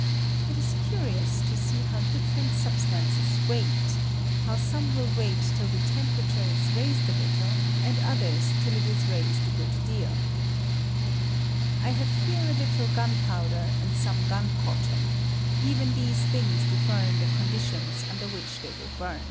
It is curious to see how dif kine . with ture 182 EESPIBATTON AKD COMBUSTION. ierent substances wait — how some wiU wait till the temperature ia raised a little, and others till it is raised a good deal. I have here a little gunpowder and some gun cotton; even these things differ in the eonditiona under which they will bum.